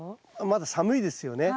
まだ寒いですよね。